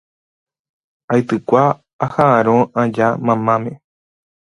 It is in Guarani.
aitykua aha'arõ aja mamáme